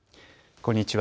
こんにちは。